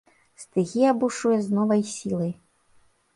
Стыхія бушуе з новай сілай.